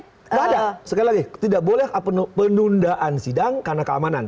tidak ada sekali lagi tidak boleh penundaan sidang karena keamanan